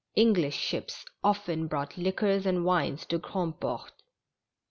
English ships often brought liquors and wines to Grandport.